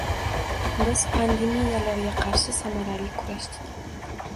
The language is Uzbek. Biz pandemiyalarga qarshi samarali kurashdik